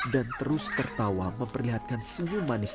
dan terus tertawa memperlihatkan senyum manis